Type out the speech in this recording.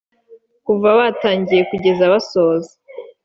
kuva batangiye kugeza basoza